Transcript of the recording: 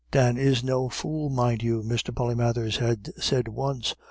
"Dan is no fool, mind you," Mr. Polymathers had said once.